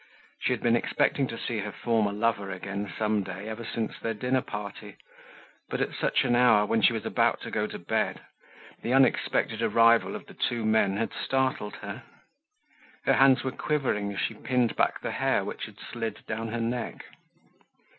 She had been expecting to see her former lover again some day ever since their dinner party; but at such an hour, when she was about to go to bed, the unexpected arrival of the two men had startled her. Her hands were quivering as she pinned back the hair which had slid down her neck.